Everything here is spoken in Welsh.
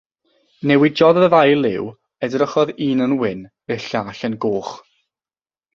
Newidiodd y ddau liw, edrychodd un yn wyn, y llall yn goch.